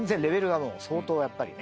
相当やっぱりね。